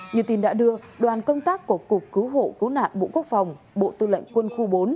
như tin đã đưa đoàn công tác của cục cứu hộ cứu nạn bộ quốc phòng bộ tư lệnh quân khu bốn